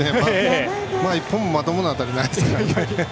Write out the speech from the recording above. １本もまともな当たりがないですけどね。